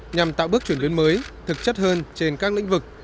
nhằm tạo bước chuyển biến mới thực chất hơn trên các lĩnh vực